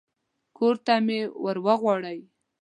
کور ته مې ور وغواړي.